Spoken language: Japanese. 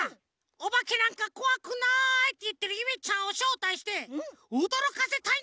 「おばけなんかこわくない！」っていってるゆめちゃんをしょうたいしておどろかせたいんだよね！